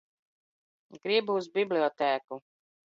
Gribu uz bibliotēku.